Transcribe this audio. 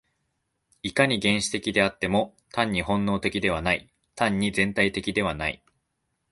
いかに原始的であっても、単に本能的ではない、単に全体的ではない。